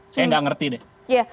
saya nggak ngerti deh